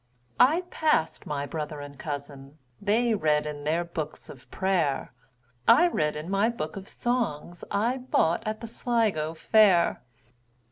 I passed my brother and cousin:They read in their books of prayer;I read in my book of songsI bought at the Sligo fair.